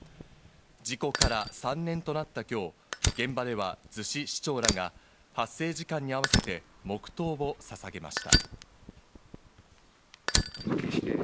事故から３年となった今日、現場では逗子市長らが発生時間に合わせて黙祷をささげました。